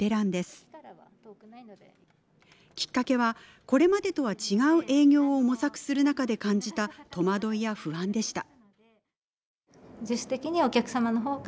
きっかけはこれまでとは違う営業を模索する中で感じた戸惑いや不安でした。